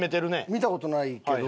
見た事ないけど。